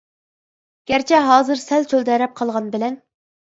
گەرچە ھازىر سەل چۆلدەرەپ قالغان بىلەن.